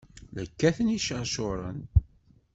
La kkaten iceṛcuṛen!